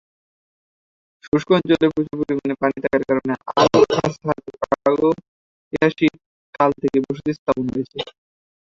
শুষ্ক অঞ্চলে প্রচুর পরিমাণে পানি থাকার কারণে আল-আহসাতে প্রাগৈতিহাসিক কাল থেকেই বসতি স্থাপন হয়েছে।